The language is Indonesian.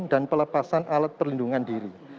dan pelepasan alat perlindungan diri